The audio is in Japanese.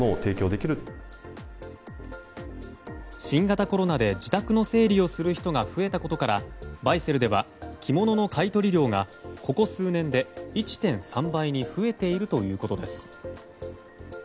新型コロナで自宅の整理をする人が増えたことからバイセルでは着物の買い取り量がここ数年で１．３倍に増えているということです。